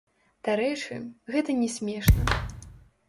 Дарэчы, гэта не смешна.